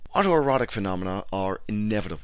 Auto erotic phenomena are inevitable.